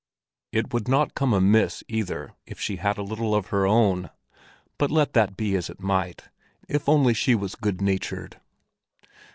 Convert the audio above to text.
It would not come amiss either if she had a little of her own, but let that be as it might, if only she was good natured.